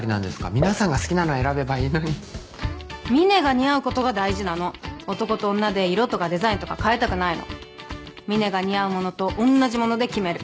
皆さんが好きなの選べばいいのにみねが似合うことが大事なの男と女で色とかデザインとか変えたくないのみねが似合うものと同じもので決める